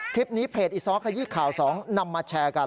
คลิปนี้เพจอีซอสขยี้ข่าวสองนำมาแชร์กัน